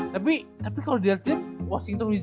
tapi kalau dilihat washington wins